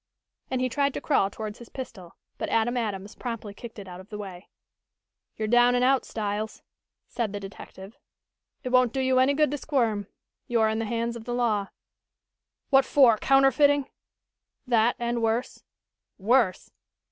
and he tried to crawl towards his pistol, but Adam Adams promptly kicked it out of the way. "You're down and out, Styles," said the detective. "It won't do you any good to squirm. You're in the hands of the law." "What for, counterfeiting?" "That and worse." "Worse?"